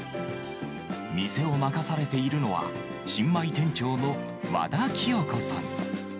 店を任されているのは、新米店長の和田貴世子さん。